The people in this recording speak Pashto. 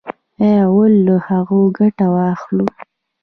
آیا او له هغو ګټه واخلو؟